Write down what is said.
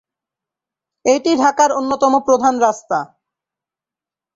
এটি ঢাকার অন্যতম প্রধান রাস্তা।